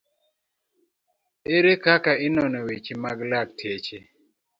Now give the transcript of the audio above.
Ere kaka inono weche mag lakteche